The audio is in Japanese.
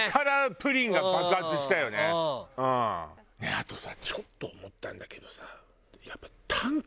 あとさちょっと思ったんだけどさ。